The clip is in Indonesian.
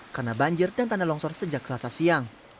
karena banjir dan tanda longsor sejak selasa siang